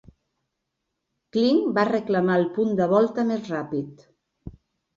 Kling va reclamar el punt de volta més ràpid.